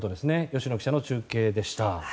吉野記者の中継でした。